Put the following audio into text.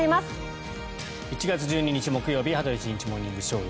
１月１２日、木曜日「羽鳥慎一モーニングショー」。